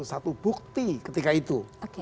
satu bukti ketika itu